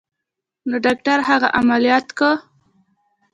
نو ډاکتر هغه عمليات کا.